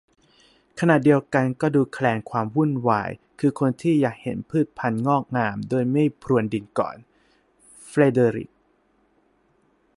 ขณะเดียวกันก็ดูแคลนความวุ่นวาย คือคนที่อยากเห็นพืชพันธุ์งอกงามโดยไม่พรวนดินก่อน - เฟรเดอริค